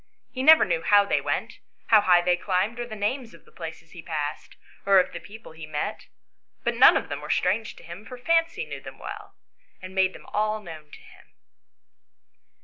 He never knew how they went, how XL] THE STORY OF WILLIE AND FANCY. 115 high they climbed, or the names of the places he passed, or of the people he met, but none of them were strange to him, for Fancy knew them well, and made them all known to him.